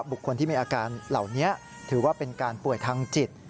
บุคคลที่มีอาการเหล่านี้ถือว่าเป็นการป่วยทางจิต